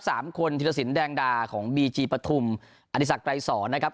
สามคนธิดศิลป์แดงดาของบีจีปภุมอธิษฐกรายศรนะครับ